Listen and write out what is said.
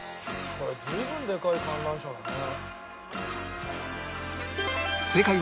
これ随分でかい観覧車だね。